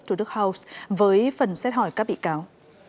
chủ đức house với phần xét hỏi các bị cáo